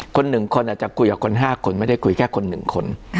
คนหนึ่งคนอาจจะคุยกับคน๕คนไม่ได้คุยแค่คน๑คน